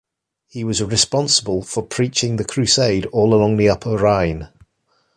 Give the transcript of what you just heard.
He was responsible for preaching the crusade all along the Upper Rhine.